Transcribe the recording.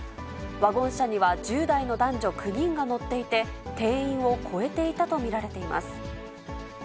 ワゴン車には１０代の男女９人が乗っていて、定員を超えていたと見られています。